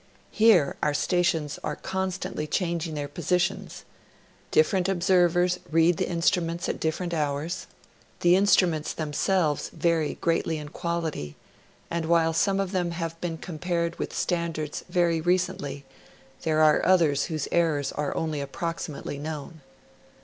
Here our stations are constantly changing their posi tions ; different observers read the instruments at different hours; 4 50 National Geograjpliic Magazine. the instruments thenaselves vary greatly in quality, and while some of them may have been compared with standards very recently, there are others whose errors ai e only approximately Icnown.